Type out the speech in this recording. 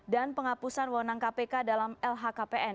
dan penghapusan wewenang kpk dalam lhkpn